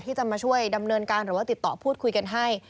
ที่จะมาช่วยดำเนินการหรือว่าติดต่อพูดคุยกันให้